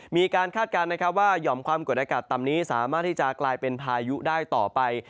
คาดการณ์นะครับว่าห่อมความกดอากาศต่ำนี้สามารถที่จะกลายเป็นพายุได้ต่อไป